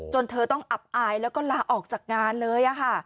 เธอต้องอับอายแล้วก็ลาออกจากงานเลย